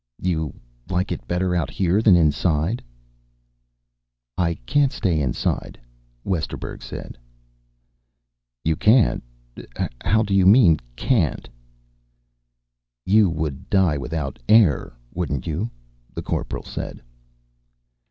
"You like it better out here than inside." "I can't stay inside," Westerburg said. "You can't? How do you mean, 'can't'?" "You would die without air, wouldn't you?" the Corporal said.